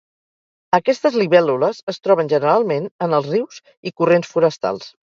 Aquestes libèl·lules es troben generalment en els rius i corrents forestals.